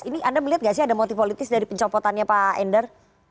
ini anda melihat nggak sih ada motif politis dari pencopotannya pak endar